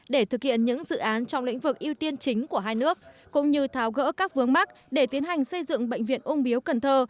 để thực hiện những dự án trong lĩnh vực ưu tiên chính của hai nước cũng như tháo gỡ các vướng mắt để tiến hành xây dựng bệnh viện ung biếu cần thơ